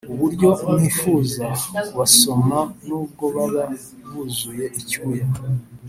Uburyo wifuza kubasoma nubwo baba buzuye icyuya